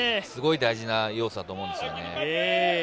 すごく大事な要素だと思うんですよね。